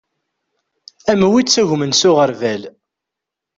Am wi ittagmen s uɣerbal.